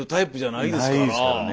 ないですからね。